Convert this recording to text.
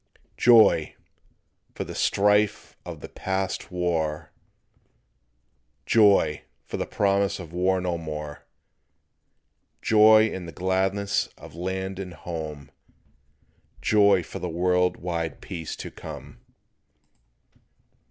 Joy! for the strife of the past was o'er; Joy! for the promise of war no more; Joy in the gladness of land and home, Joy for the world wide peace to come.